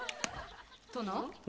殿？